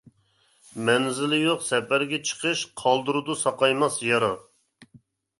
مەنزىلى يوق سەپەرگە چىقىش، قالدۇرىدۇ ساقايماس يارا.